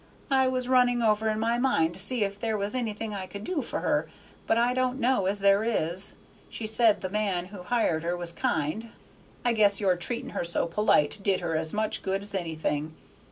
I was running over in my mind to see if there was anything I could do for her, but I don't know as there is. She said the man who hired her was kind. I guess your treating her so polite did her as much good as anything.